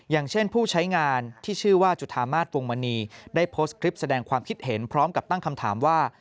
อย่างเช่นผู้ใช้งานที่ชื่อว่าจุธามาศวงมณีได้โพสต์คลิปแสดงความคิดเห็นพร้อมกับตั้งคำถามว่า